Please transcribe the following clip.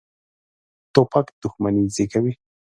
توپک دښمني زېږوي.